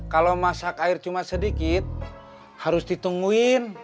kalau masak air cuma sedikit harus ditungguin